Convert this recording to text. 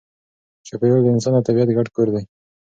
چاپېریال د انسان او طبیعت ګډ کور دی.